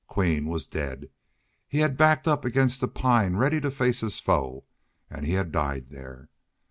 Queen was dead. He had backed up against the pine, ready to face his foe, and he had died there.